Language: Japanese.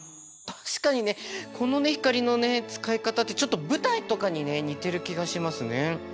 確かにねこのね光のね使い方ってちょっと舞台とかにね似てる気がしますね。